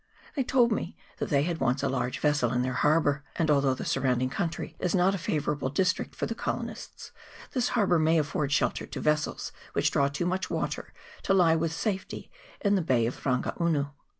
They told me that they had once a very large vessel in their harbour ; and although the surround ing country is not a favourable district for the colonists, this harbour may afford shelter to vessels which draw too much water to lie with safety in the Bay of Rangaunu.